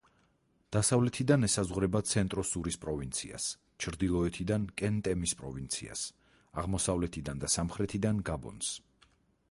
დასავლეთიდან ესაზღვრება ცენტრო-სურის პროვინციას, ჩრდილოეთიდან კე-ნტემის პროვინციას, აღმოსავლეთიდან და სამხრეთიდან გაბონს.